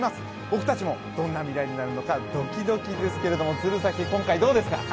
僕たちもどんな未来になるのかドキドキですけれども鶴崎、今回どうですか？